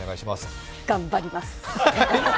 頑張ります。